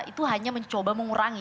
itu hanya mencoba mengurangi